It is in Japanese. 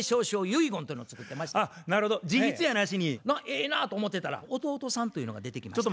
ええなと思ってたら弟さんというのが出てきまして。